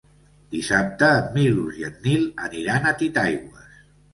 Dissabte en Milos i en Nil aniran a Titaigües.